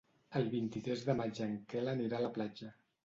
El vint-i-tres de maig en Quel anirà a la platja.